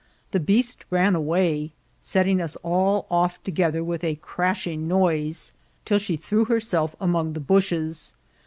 The beast ran away, setting us all off together with a crashing noisei till she threw herself among the bushes.